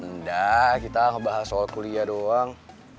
enggak kita ngebahas soal kuliah doang